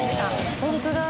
本当だ！